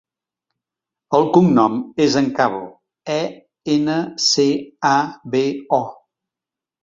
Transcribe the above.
El cognom és Encabo: e, ena, ce, a, be, o.